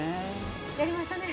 やりましたね。